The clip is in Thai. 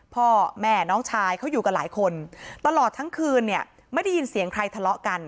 พ่อแม่น้องชายเขาอยู่กันหลายคนตลอดทั้งคืนเนี่ยไม่ได้ยินเสียงใครทะเลาะกัน